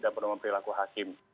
dan penerimaan pelaku hakim